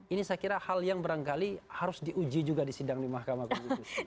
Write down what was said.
ini saya kira hal yang barangkali harus diuji juga di sidang di mahkamah konstitusi